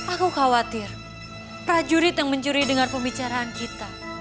aku khawatir prajurit yang mencuri dengan pembicaraan kita